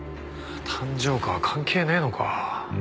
誕生花は関係ねえのか。